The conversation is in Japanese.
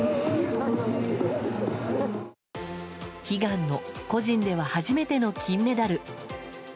悲願の個人では初めての金メダル。